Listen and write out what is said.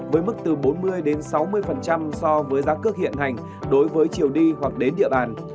với mức từ bốn mươi đến sáu mươi so với giá cước hiện hành đối với chiều đi hoặc đến địa bàn